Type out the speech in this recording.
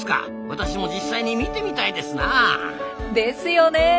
私も実際に見てみたいですなあ。ですよね。